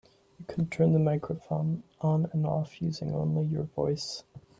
You can turn the microphone on and off using only your voice.